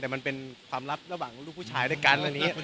แต่มันเป็นความลับระหว่างลูกผู้ชายด้วยกันอันนี้